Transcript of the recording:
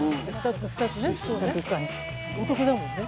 お得だもんね。